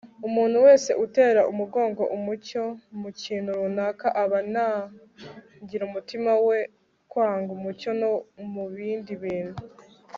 umuntu wese utera umugongo umucyo mu kintu runaka aba anangira umutima we kwanga umucyo no mu bindi bintu